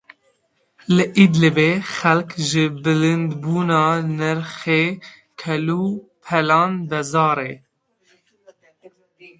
Li Idlibê xelk ji bilindbûna nirxê kelûpelan bêzar e.